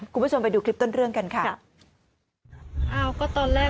คุณผู้ชมไปดูคลิปต้นเรื่องกันค่ะ